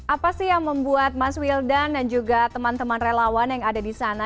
apa sih yang membuat mas wildan dan juga teman teman relawan yang ada di sana